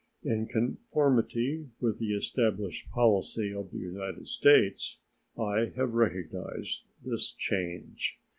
In conformity with the established policy of the United States, I have recognized this change.